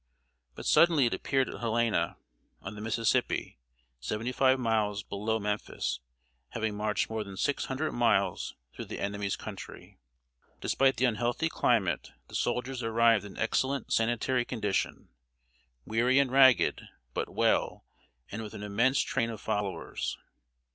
But suddenly it appeared at Helena, on the Mississippi, seventy five miles below Memphis, having marched more than six hundred miles through the enemy's country. Despite the unhealthy climate, the soldiers arrived in excellent sanitary condition, weary and ragged, but well, and with an immense train of followers.